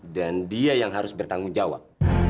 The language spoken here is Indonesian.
dan dia yang harus bertanggung jawab